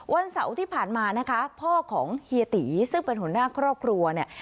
วันเสาร์ที่ผ่านมานะคะพ่อของเฮียตีซึ่งเป็นหัวหน้าครอบครัวเนี่ย